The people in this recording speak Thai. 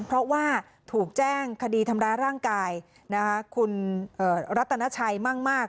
เพราะว่าถูกแจ้งคดีทำร้ายร่างกายคุณรัตนาชัยมั่งมาก